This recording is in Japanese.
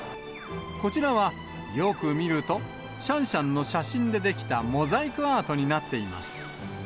こちらは、よく見ると、シャンシャンの写真で出来たモザイクアートになっています。